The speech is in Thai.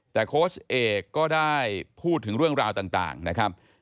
แต่โค้ชเอกก็ได้พูดถึงเรื่องราวต่างนะครับ